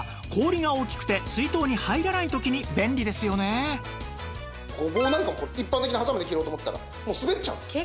例えばゴボウなんか一般的なハサミで切ろうと思ったら滑っちゃうんです。